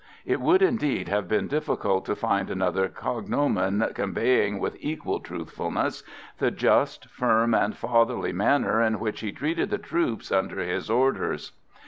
It would, indeed, have been difficult to find another cognomen conveying with equal truthfulness the just, firm and fatherly manner in which he treated the troops under his orders.